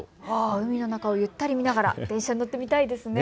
海の中をゆったり見ながら電車に乗ってみたいですね。